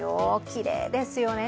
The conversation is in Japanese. きれいですよね。